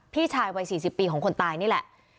พี่ชายวัย๔๐ปีของคนตายนี่แหละ